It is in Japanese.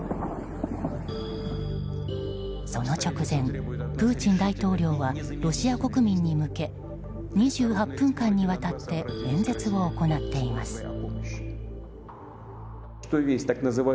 その直前、プーチン大統領はロシア国民に向け２８分間にわたって演説を行っています。